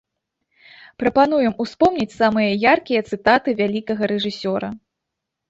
Прапануем успомніць самыя яркія цытаты вялікага рэжысёра.